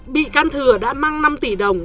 bị căn thừa đã mang năm tỷ đồng